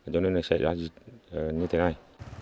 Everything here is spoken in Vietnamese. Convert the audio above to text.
cho nên xảy ra như thế này